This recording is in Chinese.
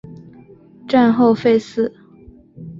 战后废寺。